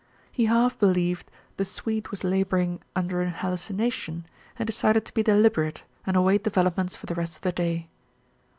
He half believed the Swede was laboring under an hallucination, and decided to be deliberate, and await developments for the rest of the day.